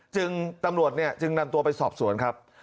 ซึ่งตำรวจเนี่ยจึงนำตัวไปสอบสวนครับ